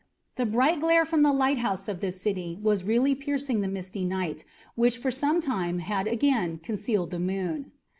The bright glare from the lighthouse of this city was really piercing the misty night air, which for some time had again concealed the moon.